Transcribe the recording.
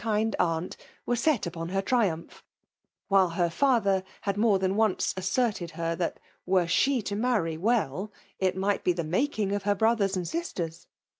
khd unt were set upon ber triumph ; whDfi h^t father had more than once assured her that, were the to marry '' well/' it might be Uie maldiigofher brothers and sisters.